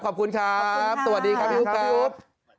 ขอบคุณครับตัวดีครับพี่อุ๊บ